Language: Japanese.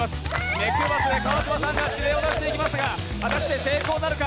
目配せで川島さんが指令を出していきますが、果たして成功なるか。